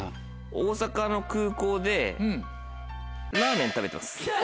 大阪の空港でラーメン食べてます。